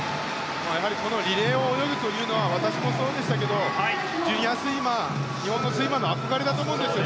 やはりこのリレーを泳ぐのは私もそうですがジュニアスイマー日本のスイマーの憧れだと思うんです。